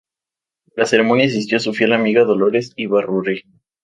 A la ceremonia asistió su fiel amiga, Dolores Ibárruri.